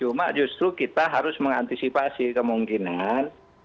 cuma justru kita harus mengantisipasi kemungkinan